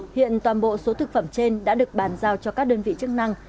hiện toàn bộ số thực phẩm trên đã được bàn giao cho các đơn vị chức năng